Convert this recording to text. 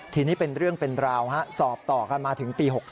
ทีนี้เป็นเรื่องเป็นราวสอบต่อกันมาถึงปี๖๓